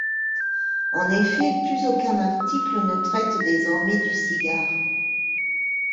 En effet, plus aucun article ne traite désormais du cigare.